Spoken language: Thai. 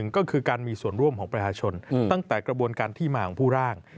ก็คือการมีส่วนร่วมของประชาชนตั้งแต่กระบวนการที่มาของผู้ร่าง